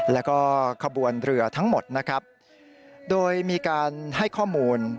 แล้วก็ขบวนเรือทั้งหมดนะครับโดยมีการให้ข้อมูล